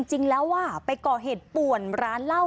จริงแล้วไปก่อเหตุป่วนร้านเหล้า